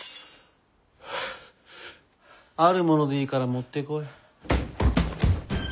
あるものでいいから持ってこい。